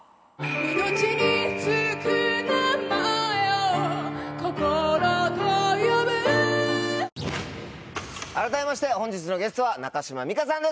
命に付く名前を「心」と呼ぶ改めまして本日のゲストは中島美嘉さんです。